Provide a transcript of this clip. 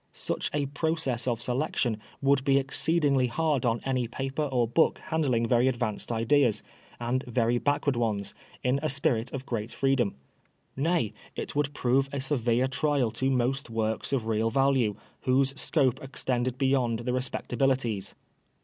Such a process of selection would be exceedingly hard on any paper or book handling very advanced ideas, and very backward ones, in a spirit of ^eat freedom. Nay, it would prove a severe trial to most works of real value, whose scope extended beyond the respectabilities.